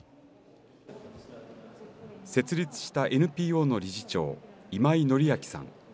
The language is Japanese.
設立したＮＰＯの理事長今井紀明さん。